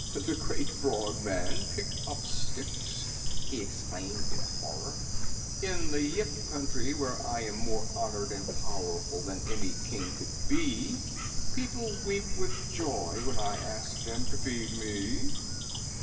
The Great Frogman pick up sticks?" he exclaimed in horror. "In the Yip Country where I am more honored and powerful than any King could be, people weep with joy when I ask them to feed me."